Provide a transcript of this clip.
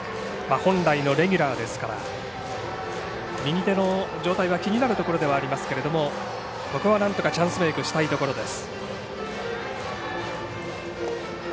本来のレギュラーですから右手の状態が気になるところではありますけれどもここはなんとかチャンスメイクしたいところです。